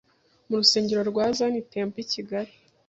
mu rusengero rwa Zion Temple I Kigali